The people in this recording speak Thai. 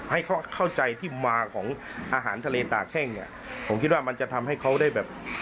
ให้เข้าใจที่มาของอาหารทะเลตาแข้งเนี่ยผมคิดว่ามันจะทำให้เขาได้แบบ